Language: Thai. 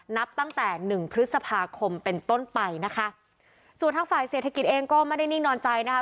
นับตั้งแต่หนึ่งพฤษภาคมเป็นต้นไปนะคะส่วนทางฝ่ายเศรษฐกิจเองก็ไม่ได้นิ่งนอนใจนะคะ